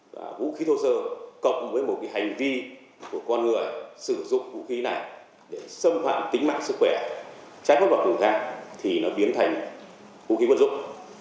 vũ khí thô sơ cộng với một hành vi của con người sử dụng vũ khí này để xâm phạm tính mạng sức khỏe trái pháp luật của người ta thì nó biến thành vũ khí quân dụng